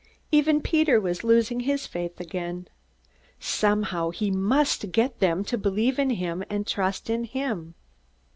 Even Peter was losing his faith again. Somehow he must make them believe in him and trust in him.